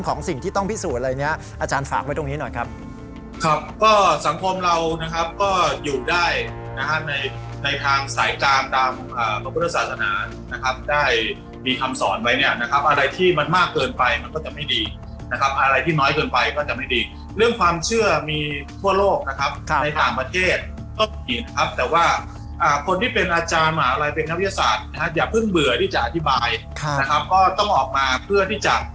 ก็สังคมเรานะครับก็อยู่ได้นะฮะในในทางสายการตามอ่าประพุทธศาสนานะครับได้มีคำสอนไว้เนี้ยนะครับอะไรที่มันมากเกินไปมันก็จะไม่ดีนะครับอะไรที่น้อยเกินไปก็จะไม่ดีเรื่องความเชื่อมีทั่วโลกนะครับในต่างประเทศก็มีนะครับแต่ว่าอ่าคนที่เป็นอาจารย์หมาอะไรเป็นนักวิทยาศาสตร์นะฮะอย่าเพิ่งเบื่อที่จะอ